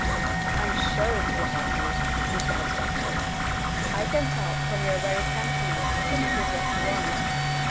"I'm sure it will help you," replied the doctor. "I can tell from your very countenance that it is what you want.